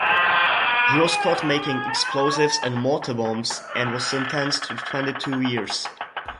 He was caught making explosives and mortar bombs and was sentenced to twenty-two years.